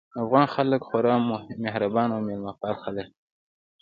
افغان خلک خورا مهربان او مېلمه پال خلک دي